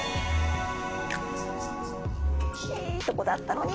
いいとこだったのに！